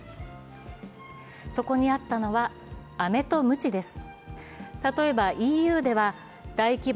そこにあったのは、アメとムチです。